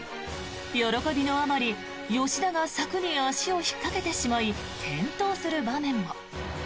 喜びのあまり吉田が柵に足を引っかけてしまい転倒する場面も。